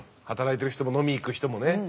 働いてる人も飲みに行く人もね。